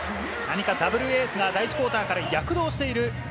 ダブルエースが第１クオーターから躍動している。